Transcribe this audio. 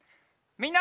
みんな！